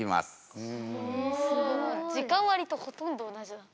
時間割りとほとんど同じだ。